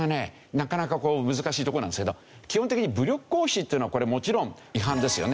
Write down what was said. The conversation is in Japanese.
なかなかこう難しいとこなんですけど基本的に武力行使っていうのはこれはもちろん違反ですよね。